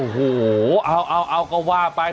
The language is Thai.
โอ้โหเอาก็ว่าไป